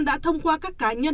tuy nhiên trong hoạt động cho vay